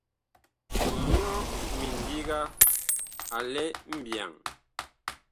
Nyɔ mindiga a lɛ mbyaŋ.